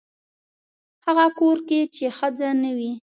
هغه کور کې چې ښځه نه وي.